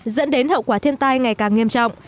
dẫn đến hậu quả thiên tai ngày càng nghiêm trọng